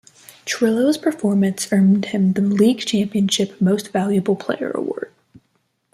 Trillo's performance earned him the League Championship Series Most Valuable Player Award.